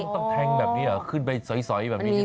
ต้องแทงแบบนี้เหรอขึ้นไปสอยแบบนี้